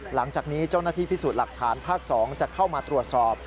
หลังจากนี้เจ้าหน้าที่พิสูจน์หลักฐานภาค๒จะเข้ามาตรวจสอบ